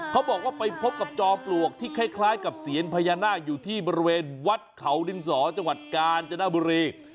เขาบอกว่าไปพบกับจอมปลวกที่คล้ายกับเซียนพญานาคอยู่ที่บริเวณวัดเขาดินสอจังหวัดกาญจนบุรี